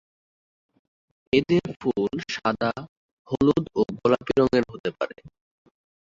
এদের ফুল সাদা, হলুদ ও গোলাপী রঙের হতে পারে।